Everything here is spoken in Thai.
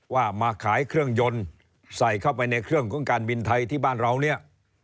ว่ามาขายเครื่องยนต์ใส่เข้าไปในเครื่องของการบินไทยที่บ้านเราเนี่ย